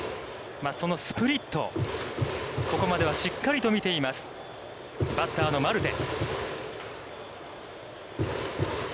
そのスプリット、ここまではしっかりと見ています、バッターのマルテ。